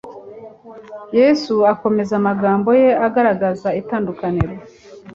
Yesu akomeza amagambo ye agaragaza itandukaniro